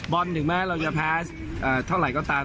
ถึงแม้เราจะแพ้เท่าไหร่ก็ตาม